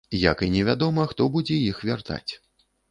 Як і невядома, хто будзе іх вяртаць.